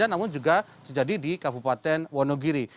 namun juga terjadi di kabupaten wonogiri